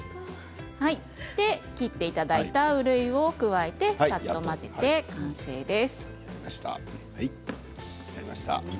切っていただいたうるいを加えてさっと混ぜて完成です。